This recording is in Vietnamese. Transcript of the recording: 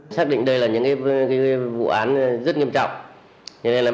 các công ty doanh nghiệp kệ phá kết sắt trộm cắp tài sản